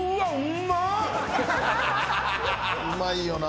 うまいよな。